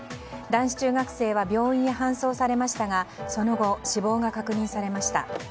男子中学生は病院へ搬送されましたがその後、死亡が確認されました。